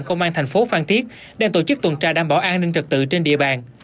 công an tp phan thiết đang tổ chức tuần tra đảm bảo an ninh trật tự trên địa bàn